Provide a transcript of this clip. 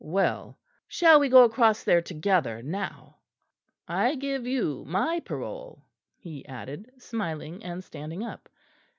"Well, shall we go across there together now? I give you my parole," he added, smiling, and standing up.